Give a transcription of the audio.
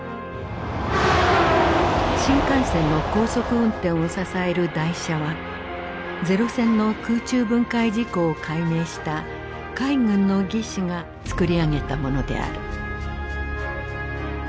新幹線の高速運転を支える台車は零戦の空中分解事故を解明した海軍の技師がつくり上げたものである。